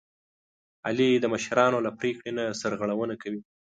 علي د مشرانو له پرېکړې نه سرغړونه کوي.